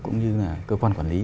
cũng như là cơ quan quản lý